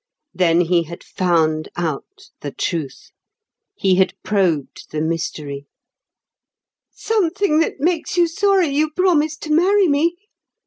Then he had found out the Truth. He had probed the Mystery. "Something that makes you sorry you promised to marry me?"